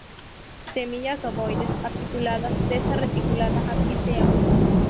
Semillas ovoides, apiculadas; testa reticulada; ápice agudo.